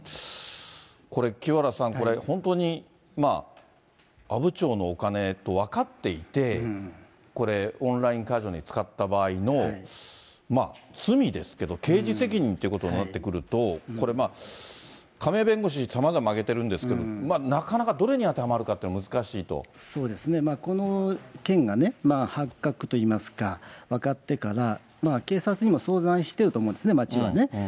これ、清原さん、これ、本当に、阿武町のお金と分かっていて、これ、オンラインカジノに使った場合の罪ですけど、刑事責任ということになってくると、これまあ、亀井弁護士、さまざま挙げているんですけれども、なかなかどれに当てはまるのそうですね、この件が発覚といいますか、分かってから、警察にも相談してると思うんですね、町はね。